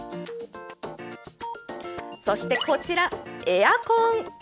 そしてこちら、エアコン。